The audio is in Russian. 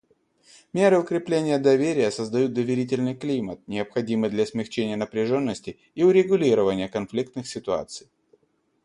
Меры укрепления доверия создают доверительный климат, необходимый для смягчения напряженности и урегулирования конфликтных ситуаций.